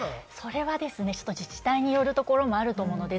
それは自治体によるところもあると思うんです。